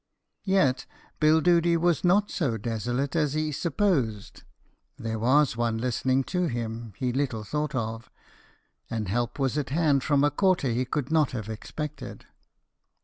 Yet Bill Doody was not so desolate as he supposed; there was one listening to him he little thought of, and help was at hand from a quarter he could not have expected.